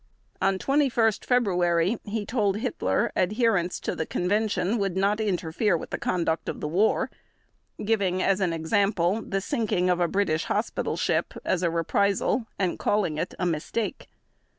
On 21 February he told Hitler adherence to the Convention would not interfere with the conduct of the war, giving as an example the sinking of a British hospital ship as a reprisal and calling it a mistake.